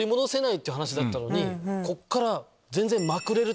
こっから。